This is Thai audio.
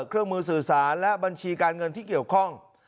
เครื่องมือสื่อสารและบัญชีการเงินที่เกี่ยวข้อง